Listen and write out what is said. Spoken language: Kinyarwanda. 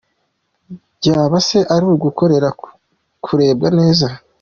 Byaba se ari ugukorera kurebwa neza?